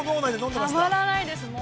◆たまらないです、もう。